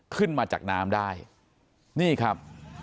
ขึ้นมาจากน้ำได้นี่ครับ